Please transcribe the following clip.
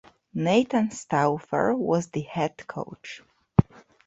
Nathan Stauffer was the head coach.